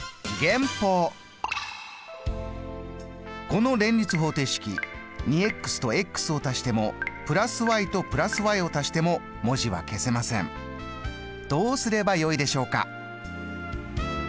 この連立方程式２とを足しても＋と＋を足しても文字は消せませんどうすればよいでしょうか。